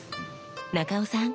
中尾さん